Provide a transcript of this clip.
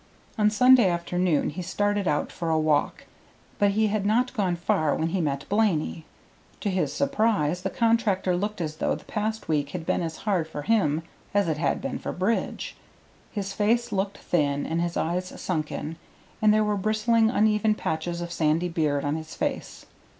On Sunday afternoon he started out for a walk, but he had not gone far when he met Blaney. To his surprise, the contractor looked as though the past week had been as hard for him as it had been for Bridge. His face looked thin and his eyes sunken and there were bristling uneven patches of sandy beard on his face.